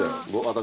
私。